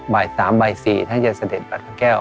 บ่าย๓บ่าย๔ท่านจะเสด็จปัดพระแก้ว